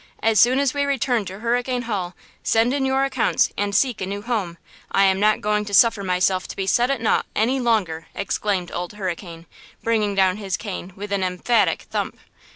As soon as we return to Hurricane Hall, send in your accounts and seek a new home! I am not going to suffer myself to be set at naught any longer!" exclaimed Old Hurricane, bringing down his cane with an emphatic thump.